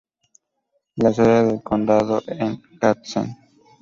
La sede del condado es Gadsden.